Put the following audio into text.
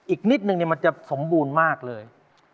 อีกนิดนึงมันจะสมบูรณ์มากเลย